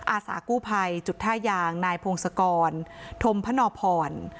อาสากู้ภัยจุดท่ายางนายพงศกรธมพนพร